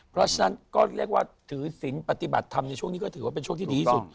เพราะฉะนั้นก็เรียกว่าถือศิลป์ปฏิบัติธรรมในช่วงนี้ก็ถือว่าเป็นช่วงที่ดีที่สุด